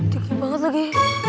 dekat banget lagi